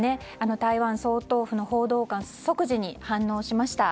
台湾総督府の報道官即時に反応しました。